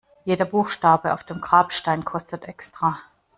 Jeder Buchstabe auf dem Grabstein kostet extra.